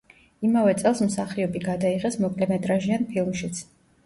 იმავე წელს მსახიობი გადაიღეს მოკლემეტრაჟიან ფილმშიც.